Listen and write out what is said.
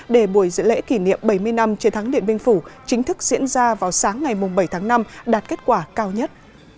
để buổi lễ kỷ niệm bảy mươi năm chiến thắng điện biên phủ chính thức diễn ra vào sáng ngày bảy tháng năm đạt kết quả cao nhất